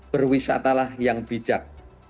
berwisata lah yang bijak